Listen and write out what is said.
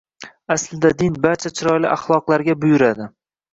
Aslida din barcha chiroyli axloqlarga buyuradi